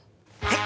はい。